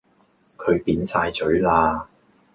佢扁曬嘴啦